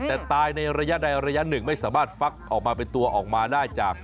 แต่ตายในระยะใดระยะหนึ่งไม่สามารถฟักออกมาเป็นตัวออกมาได้จาก